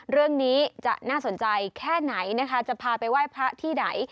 เรื่องนี้จะน่าสนใจแค่ไหนนะคะจะพาไปไหว้พระที่ไหน